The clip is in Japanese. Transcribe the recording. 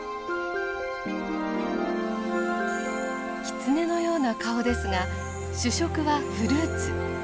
キツネのような顔ですが主食はフルーツ。